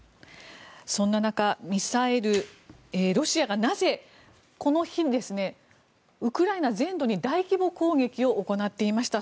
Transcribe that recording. そんな中ロシアがなぜこの日ウクライナ全土に大規模攻撃を行っていました。